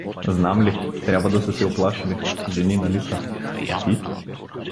— Знам ли… трябва да са се уплашили, жени нали са… — А ти?